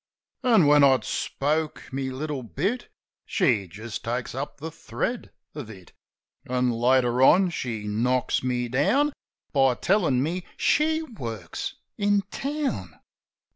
An' when I'd spoke my little bit, She just takes up the thread of it; An' later on, near knocks me down By tellin' me she works — in town.